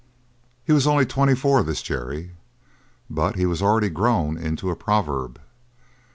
He was only twenty four, this Jerry, but he was already grown into a proverb.